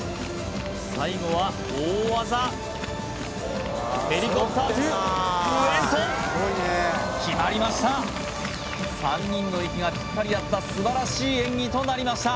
最後は大技ヘリコプターｔｏウェンソン決まりました３人の息がぴったり合った素晴らしい演技となりました